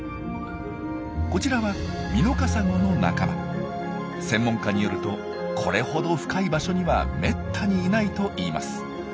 こちらは専門家によるとこれほど深い場所にはめったにいないといいます。